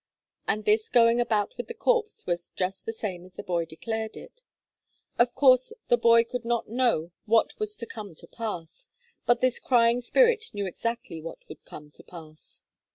And this going about with the corpse was 'just the same as the boy declared it.' Of course the boy could not know what was to come to pass, 'but this crying spirit knew exactly what would come to pass.'